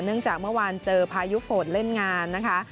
จากเมื่อวานเจอพายุฝนเล่นงานนะคะ